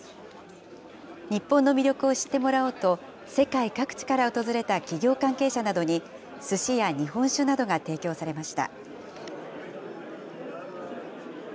日本の魅力を知ってもらおうと、世界各地から訪れた企業関係者などに、すしや日本酒などが提供されました。